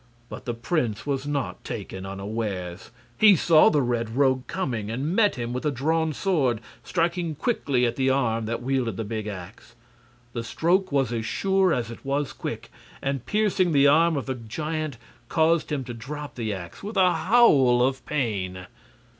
But the prince was not taken unawares. He saw the Red Rogue coming and met him with drawn sword, striking quickly at the arm that wielded the big ax. The stroke was as sure as it was quick, and piercing the arm of the giant caused him to drop the ax with a howl of pain.